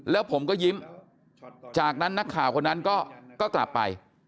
แล้วผมก็ยิ้มจากนั้นนักข่าวคนนั้นก็กลับไป